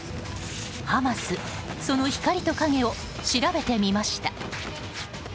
ハマス、その光と影を調べてみました。